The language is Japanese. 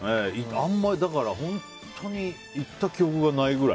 だから本当に行った記憶がないくらい。